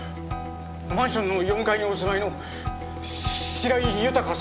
マンションの４階にお住まいの白井豊さんです。